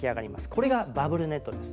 これがバブルネットです。